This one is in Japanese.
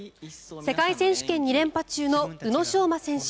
世界選手権２連覇中の宇野昌磨選手